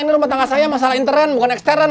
ini rumah tangga saya masalah intern bukan eksterren